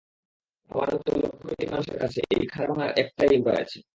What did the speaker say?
আমার মতো লক্ষ-কোটি মানুষের কাছে, এই খাঁচা ভাঙার একটাই উপায় আছে।